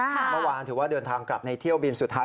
เมื่อวานถือว่าเดินทางกลับในเที่ยวบินสุดท้าย